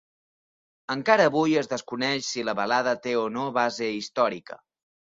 Encara avui, es desconeix si la balada té o no base històrica.